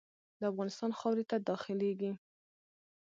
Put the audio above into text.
د افغانستان خاورې ته داخلیږي.